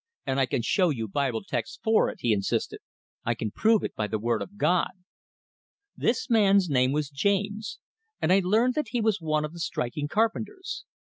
And I can show you Bible texts for it," he insisted. "I can prove it by the word of God." This man's name was James, and I learned that he was one of the striking carpenters.